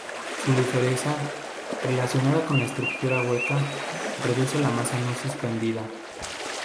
Su ligereza, relacionada con su estructura hueca, reduce la masa no suspendida.